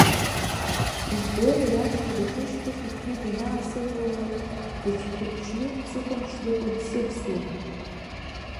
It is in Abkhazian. Ездора иакәзар, ихы шьҭых икны, данаасывалалакь, дыцәқәырчны дсыхәамԥшӡакәа дсывсуан.